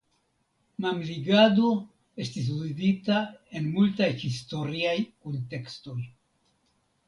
Mamligado estis uzita en multaj historiaj kuntekstoj.